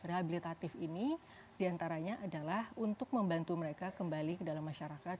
rehabilitatif ini diantaranya adalah untuk membantu mereka kembali ke dalam masyarakat